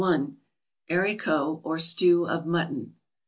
=Haricot or Stew of Mutton.